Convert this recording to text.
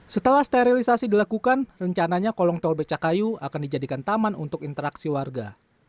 setelah sterilisasi dilakukan rencananya kolong tol becakayu akan dijadikan taman untuk interaksi warga